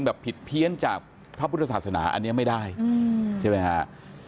แบบผิดเพี้ยนจากพระพุทธศาสนาอันนี้ไม่ได้ใช่ไหมฮะ